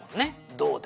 「どうだ？